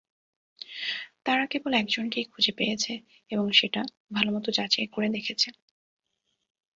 তারা কেবল একজনকেই খুঁজে পেয়েছে এবং সেটা ভালোমতো যাচাই করে দেখেছে।